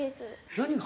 何が？